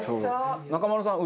中丸さん